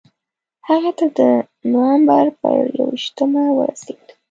هغه ته د نومبر پر یوویشتمه ورسېد.